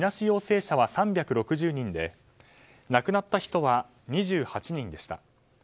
陽性者は３６０人で亡くなった人は２８人でした。